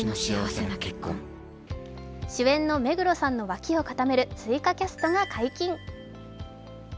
主演の目黒さんの脇を固める追加キャストが解禁。